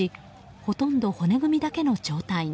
ほとんど骨組みだけの状態に。